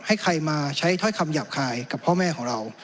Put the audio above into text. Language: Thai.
ให้ใครมาใช้ถ้อยคำหยาบคายกับพ่อแม่ของเรา